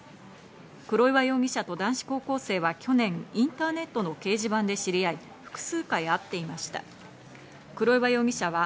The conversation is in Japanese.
黒岩容疑者と男子高校生は去年、インターネットの掲示板で知り合お天気です。